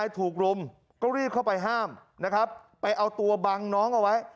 ถูกรุมก็รีบเข้าไปห้ามนะครับไปเอาตัวบังน้องเอาไว้